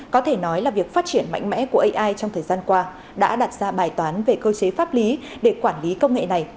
có thể nói là việc phát triển mạnh mẽ của ai trong thời gian qua đã đặt ra bài toán về cơ chế pháp lý để quản lý công nghệ này